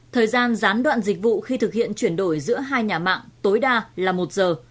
thời gian gián đoạn dịch vụ khi thực hiện chuyển đổi giữa hai nhà mạng tối đa là một giờ